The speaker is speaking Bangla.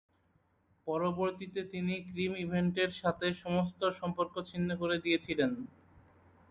পরবর্তীতে তিনি ক্রিম ইভেন্টের সাথে সমস্ত সম্পর্ক ছিন্ন করে দিয়েছিলেন।